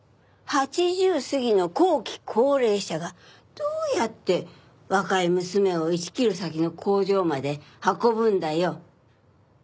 ８０過ぎの後期高齢者がどうやって若い娘を１キロ先の工場まで運ぶんだよ。